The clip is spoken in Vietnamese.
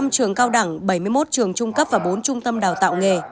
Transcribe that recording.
năm mươi năm trường cao đẳng bảy mươi một trường trung cấp và bốn trung tâm đào tạo